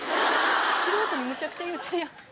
素人にむちゃくちゃ言うてるやん。